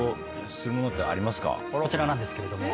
こちらなんですけれども。